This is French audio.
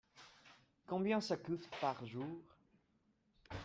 Combien ça coûte par jour ?